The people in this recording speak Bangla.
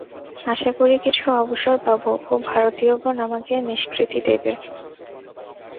আশা করি কিছু অবসর পাব ও ভারতীয়গণ আমাকে নিষ্কৃতি দেবে।